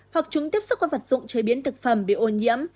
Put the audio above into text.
hoặc chúng tiếp xúc qua vật dụng chế biến thực phẩm bị ô nhiễm